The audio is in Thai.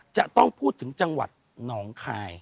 จะต้องพูดถึงจังหวัดหนองคาย